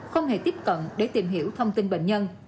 không hề tiếp cận để tìm hiểu thông tin bệnh nhân